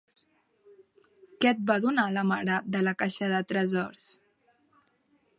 Què et va donar la mare de la caixa de tresors?